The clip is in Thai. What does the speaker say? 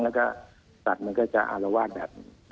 แล้วก็สัตว์มันก็อ่าลวาดมาก